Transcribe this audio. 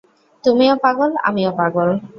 তুমিও পাগল, আমিও পাগল।